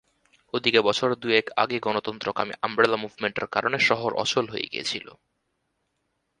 ওদিকে বছর দুয়েক আগে গণতন্ত্রকামী আমব্রেলা মুভমেন্টের কারণে শহর অচল হয়ে গিয়েছিল।